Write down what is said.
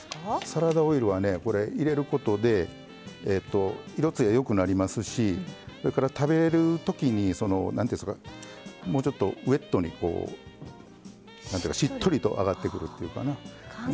サラダオイルはねこれ入れることで色つや良くなりますしそれから食べるときにもうちょっとウエットに何ていうかしっとりとあがってくるっていうかな。